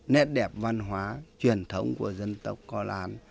nét đẹp văn hóa truyền thống của dân tộc cao lan